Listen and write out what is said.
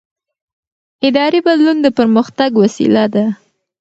اداري بدلون د پرمختګ وسیله ده